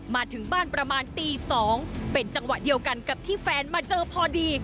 มาถึงบ้านประมาณตี๒เป็นจังหวะเดียวกันกับที่แฟนมาเจอพอดี